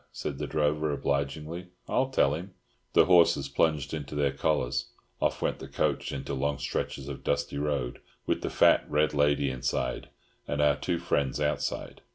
said the drover, obligingly, "I'll tell him!" The horses plunged into their collars; off went the coach into long stretches of dusty road, with the fat red lady inside, and our two friends outside.